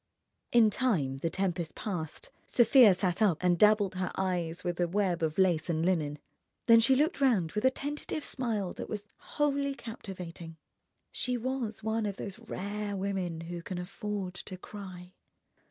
In time the tempest passed, Sofia sat up and dabbled her eyes with a web of lace and linen. Then she looked round with a tentative smile that was wholly captivating. She was one of those rare women who can afford to cry.